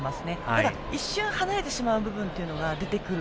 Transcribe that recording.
ただ、一瞬離れてしまう部分が出てくる。